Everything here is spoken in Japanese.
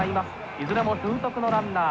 いずれも俊足のランナー。